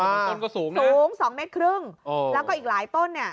อ่าสูงนะสูง๒๕เมตรแล้วก็อีกหลายต้น